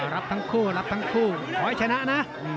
รับทั้งคู่รับทั้งคู่ขอให้ชนะนะ